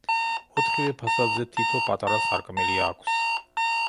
ოთხივე ფასადზე თითო პატარა სარკმელი აქვს.